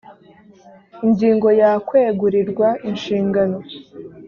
ingingo ya kwegurirwa inshingano